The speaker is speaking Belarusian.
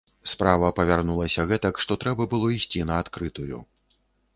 Справа павярнулася гэтак, што трэба было ісці на адкрытую.